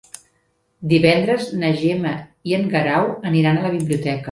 Divendres na Gemma i en Guerau aniran a la biblioteca.